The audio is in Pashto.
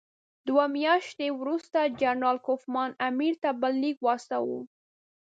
دوه میاشتې وروسته جنرال کوفمان امیر ته بل لیک واستاوه.